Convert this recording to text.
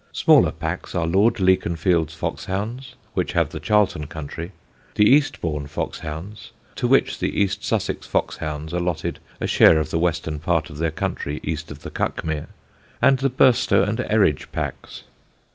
Smaller packs are Lord Leconfield's Fox Hounds, which have the Charlton country; the Eastbourne Fox Hounds, to which the East Sussex Fox Hounds allotted a share of the western part of their country east of the Cuckmere; and the Burstow and Eridge packs.